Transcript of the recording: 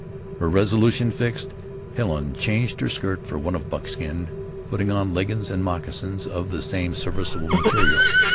Her resolution fixed, Helen changed her skirt for one of buckskin, putting on leggings and moccasins of the same serviceable material.